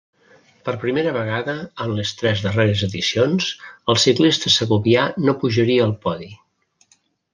Per primera vegada en les tres darreres edicions, el ciclista segovià no pujaria al podi.